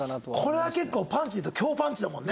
これは結構パンチでいうと強パンチだもんね。